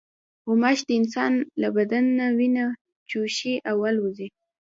غوماشې د انسان له بدن نه وینه چوشي او الوزي.